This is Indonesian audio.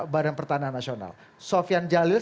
badan pertanahan nasional sofian jalil